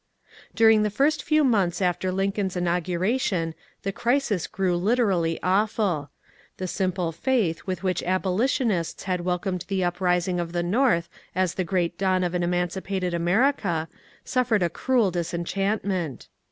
During the first few months after Lincoln's inauguration the crisis grew literally awful. The simple faith with which abolitionists had welcomed the uprising of the North as the great dawn of an emancipated America suffered a cruel dis enchantment.